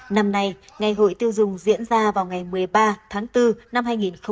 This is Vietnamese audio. năm nay ngày hội tiêu dùng diễn ra vào ngày một mươi ba tháng bốn năm hai nghìn hai mươi